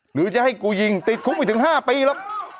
หรือจะให้กูยิงติดคุกไปถึงห้าปีละ